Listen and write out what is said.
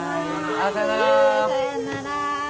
さようなら。